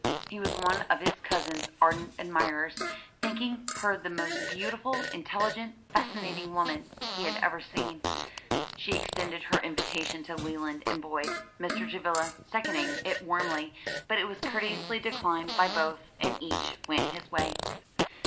He was one of his cousin's ardent admirers, thinking her the most beautiful, intelligent, fascinating woman he had ever seen. She extended her invitation to Leland and Boyd, Mr. Travilla seconding it warmly, but it was courteously declined by both, and each went his way.